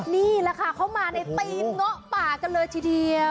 นี่แหละค่ะเข้ามาในธีมเงาะป่ากันเลยทีเดียว